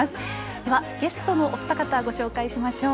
ではゲストのお二方ご紹介しましょう。